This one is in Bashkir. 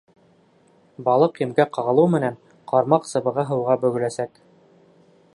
Балыҡ емгә ҡағылыу менән, ҡармаҡ сыбығы һыуға бөгөләсәк.